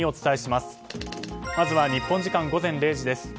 まずは日本時間午前０時です。